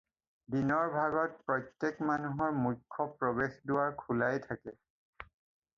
দিনৰ ভাগত প্ৰত্যেক মানুহৰ মুখ্য প্ৰৱেশ দুৱাৰ খোলাই থাকে।